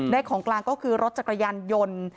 ของกลางก็คือรถจักรยานยนต์